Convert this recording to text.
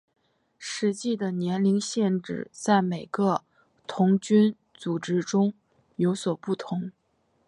实际的年龄限制在每个童军组织中有所不同。